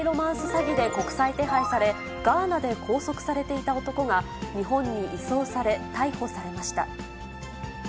詐欺で国際手配され、ガーナで拘束されていた男が、日本に移送され、逮捕されました。